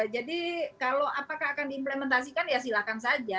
jadi kalau apakah akan diimplementasikan ya silakan saja